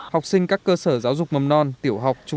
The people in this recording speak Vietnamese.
học sinh các cơ sở giáo dục mầm non tiểu học